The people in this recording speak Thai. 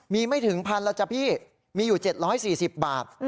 มีไม่ถึงพันแล้วจ้ะพี่มีอยู่๗๔๐บาท